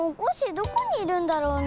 どこにいるんだろうね？